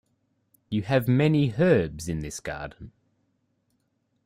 You have many herbs in this garden.